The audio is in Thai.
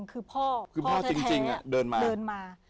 คือพ่อพ่อแท้แท้คือพ่อจริงจริงอ่ะเดินมาเดินมา